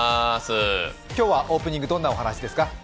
今日はオープニング、どんなお話ですか？